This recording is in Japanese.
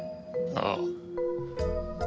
ああ。